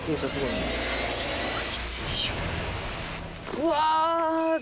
うわ。